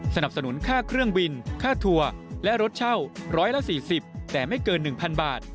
สนับสนุนค่าเครื่องบินค่าทัวร์และรถเช่า๑๔๐แต่ไม่เกิน๑๐๐บาท